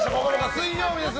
水曜日です。